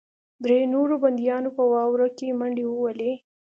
درې نورو بندیانو په واوره کې منډې وهلې